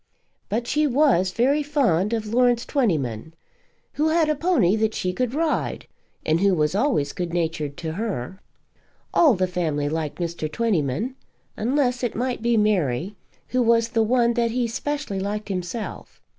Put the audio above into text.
But she was very fond of Lawrence Twentyman, who had a pony that she could ride, and who was always good natured to her. All the family liked Mr. Twentyman, unless it might be Mary, who was the one that he specially liked himself.